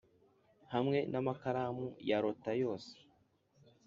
hamwe namakaramu ya lotta yose